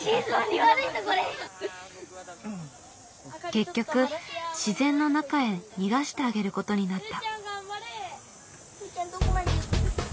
結局自然の中へ逃がしてあげることになった。